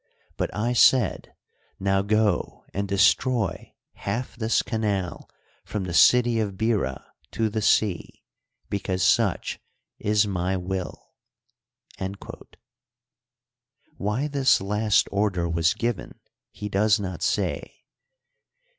But I said :' Now go and destroy half this canal from the city of Bira to the sea, because such is my will/ " Why this last or der was given he does not say.